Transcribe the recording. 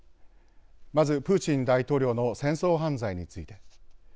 まず、プーチン大統領の戦争犯罪について。